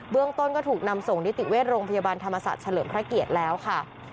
เรื่องต้นก็ถูกนำส่งนิติเวชโรงพยาบาลธรรมศาสตร์เฉลิมพระเกียรติแล้วค่ะ